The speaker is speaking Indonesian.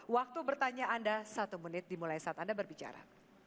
waktu bertanya anda satu menit dimulai saat anda berbicara